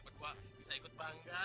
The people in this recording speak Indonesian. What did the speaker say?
dua dua ikut bangga